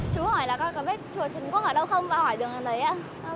chú hỏi là con có biết chùa trần quốc ở đâu không và hỏi dường như thế ạ